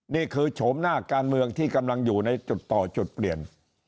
โฉมหน้าการเมืองที่กำลังอยู่ในจุดต่อจุดเปลี่ยน